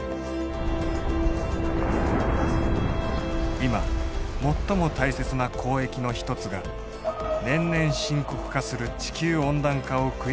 今最も大切な公益の一つが年々深刻化する地球温暖化を食い止めることだ。